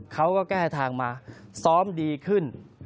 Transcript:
เขาก็แก้ทางมาซ้อมดีขึ้น